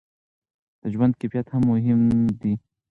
د ژوند کیفیت هم مهم دی.